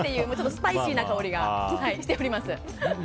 スパイシーな香りがしております。